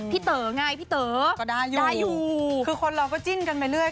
เต๋อไงพี่เต๋อก็ได้อยู่คือคนเราก็จิ้นกันไปเรื่อย